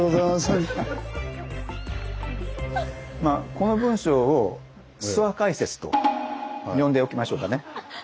この文章を「諏訪解説」と呼んでおきましょうかね。